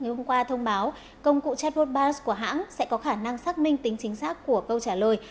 ngày hôm qua thông báo công cụ chatbot bars của hãng sẽ có khả năng xác minh tính chính xác của câu trả lời